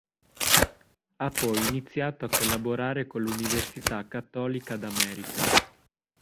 Ha poi iniziato a collaborare con l'Università Cattolica d'America.